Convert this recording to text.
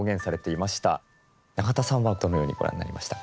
永田さんはどのようにご覧になりましたか？